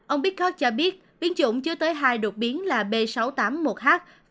ông bickhoff cho biết biến chủng chứa tới hai đột biến là b sáu tám một h